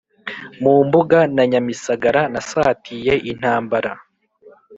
Mu Mbuga na Nyamisagara nasatiye intambara.